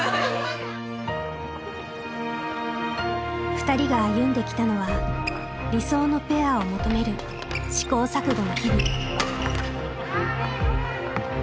ふたりが歩んできたのは「理想のペア」を求める試行錯誤の日々。